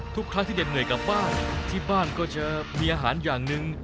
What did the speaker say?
ทุกครั้งที่เด็ดเหนื่อยกลับบ้านที่บ้านก็จะมีอาหารอย่างหนึ่ง